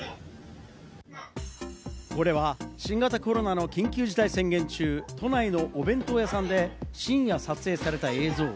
これは新型コロナの緊急事態宣言中、都内のお弁当屋さんで深夜に撮影された映像。